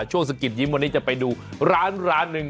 ช่วงสกิดยิ้มวันนี้จะไปดูร้านหนึ่ง